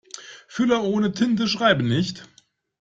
Füller ohne Tinte schreiben nicht.